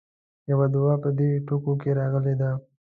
يوې دعا په دې ټکو کې راغلې ده.